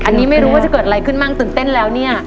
สนเต้นแล้วเนี่ย